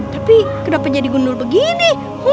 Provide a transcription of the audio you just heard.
tapi kenapa jadi gundul begini